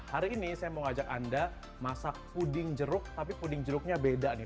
hari ini saya mau ajak anda masak puding jeruk tapi puding jeruknya beda nih